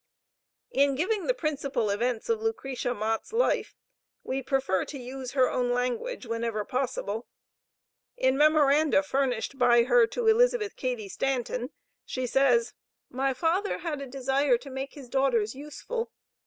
In giving the principal events of Lucretia Mott's life, we prefer to use her own language whenever possible. In memoranda furnished by her to Elizabeth Cady Stanton, she says: "My father had a desire to make his daughters useful.